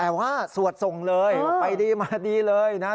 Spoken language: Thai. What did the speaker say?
แต่ว่าสวดส่งเลยไปดีมาดีเลยนะ